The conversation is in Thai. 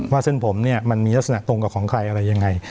เส้นผมเนี่ยมันมีลักษณะตรงกับของใครอะไรยังไง